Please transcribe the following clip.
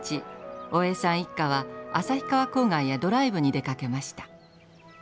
大江さん一家は旭川郊外へドライブに出かけました。